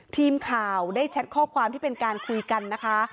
ทีมข่าวได้แชทข้อความที่เป็นการคุยกันนะคะ